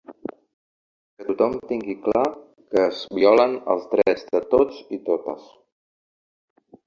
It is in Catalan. Que tothom tingui clar que es violen els drets de tots i totes.